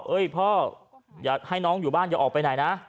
พ่ออยากให้น้องอยู่บ้านอย่าออกไปไหนนะ